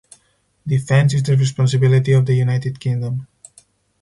Defence is the responsibility of the United Kingdom.